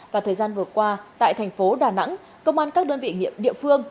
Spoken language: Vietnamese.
và thời gian vừa qua tại thành phố đà nẵng công an các đơn vị nghiệp địa phương